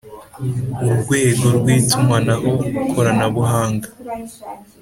urwego rw itumanaho koranabuhanga